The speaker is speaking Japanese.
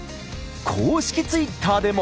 公式ツイッターでも。